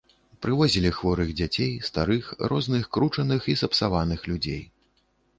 Прывозілі хворых дзяцей, старых, розных кручаных і сапсаваных людзей.